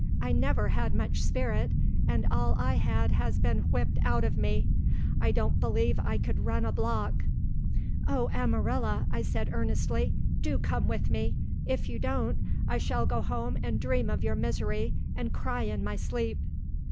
"I never had much spirit, and all I had has been whipped out of me. I don't believe I could run a block." "Oh, Amarilla," I said earnestly, "do come with me. If you don't, I shall go home and dream of your misery, and cry in my sleep."